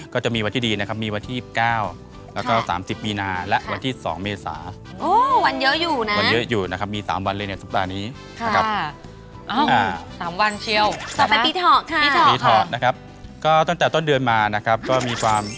ก็จะมีวันที่ดีนะครับมีวันที่๙แล้วก็๓๐มีนาและวันที่๒เมษา